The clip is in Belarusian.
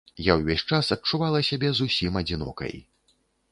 Я ўвесь час адчувала сябе зусім адзінокай.